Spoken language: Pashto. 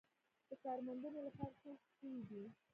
د کار موندنې لپاره څه شوي دي؟